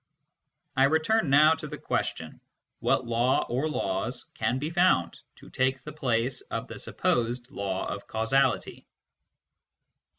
I return now to the question, What law or laws can be found to take the place of the supposed law of causality